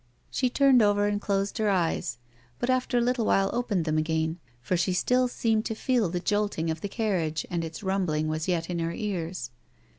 She turned over and closed her eyes, but after a little while opened them again, for she still seemed to feel the jolting of the carriage and its rumbling was yet in her ears.